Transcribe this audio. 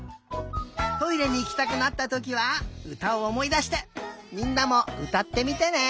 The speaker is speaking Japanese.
トイレにいきたくなったときはうたをおもいだしてみんなもうたってみてね！